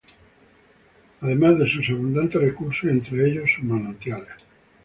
Además de sus abundantes recursos, y entre ellos sus manantiales.